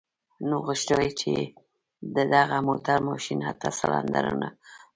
نو غوښتل يې چې د دغه موټر ماشين اته سلنډرونه ولري.